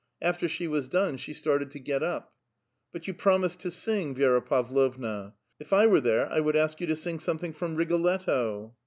After she was done she started to get up. "But you promised to sing, Vi^ra Pavlovna; if I were there, I would ask you to sing something from Rigoletto."